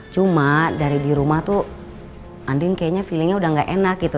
cuma dari di rumah tuh andin kayaknya feelingnya udah gak enak gitu